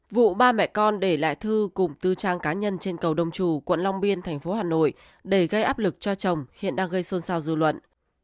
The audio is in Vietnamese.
vụ ba mẹ con để lại thư cùng tư trang cá nhân trên cầu đông trù quận long biên thành phố hà nội để gây áp lực cho chồng hiện đang gây xôn xao dư luận